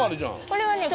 これはね